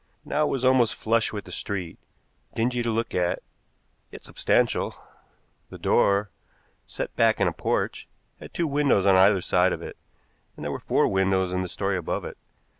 Now it was almost flush with the street, dingy to look at, yet substantial. The door, set back in a porch, had two windows on either side of it, and there were four windows in the story above it.